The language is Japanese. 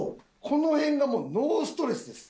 この辺がもうノーストレスです。